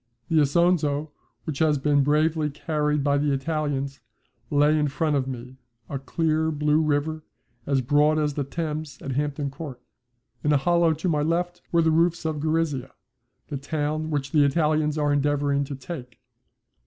The Isonzo, which has been so bravely carried by the Italians, lay in front of me, a clear blue river, as broad as the Thames at Hampton Court. In a hollow to my left were the roofs of Gorizia, the town which the Italians are endeavouring to take.